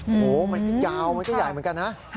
โอ้โหมันก็ยาวมันก็ใหญ่เหมือนกันนะ